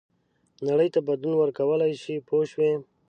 نړۍ ته بدلون ورکولای شي پوه شوې!.